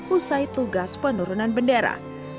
usai tugas penurunan bendera